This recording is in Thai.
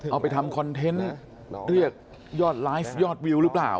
เอาไปทำคอนเทนต์เรียกยอดไลฟ์ยอดวิวหรือเปล่า